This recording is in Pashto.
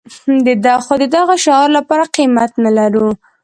خو د دغه شعار لپاره قيمت نه لرو.